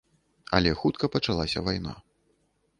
Але хутка пачалася вайна.